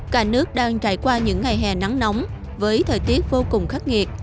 cả nước đang trải qua những ngày hè nắng nóng với thời tiết vô cùng khắc nghiệt